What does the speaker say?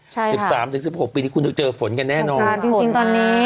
ใช่ค่ะค่ะ๑๓๑๖ปีนี้คุณจะเจอฝนกันแน่นอนค่ะจริงตอนนี้